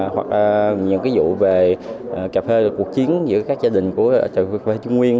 hoặc những cái vụ về cà phê là cuộc chiến giữa các gia đình của trợ vực về trung nguyên